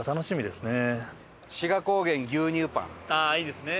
ああいいですね。